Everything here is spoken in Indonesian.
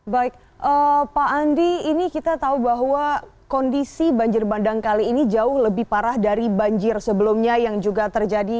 baik pak andi ini kita tahu bahwa kondisi banjir bandang kali ini jauh lebih parah dari banjir sebelumnya yang juga terjadi